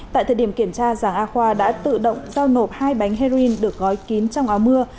tại thời điểm kiểm tra giàng a khoa đã tự động giao nộp hai bánh heroin được gói kín trong áo mưa